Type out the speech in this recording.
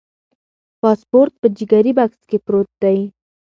پاسپورت په جګري بکس کې پروت دی.